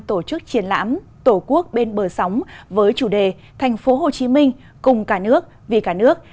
tổ chức triển lãm tổ quốc bên bờ sóng với chủ đề thành phố hồ chí minh cùng cả nước vì cả nước